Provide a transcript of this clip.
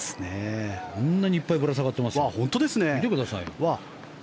こんなにいっぱいぶら下がってますよ見てくださいよ。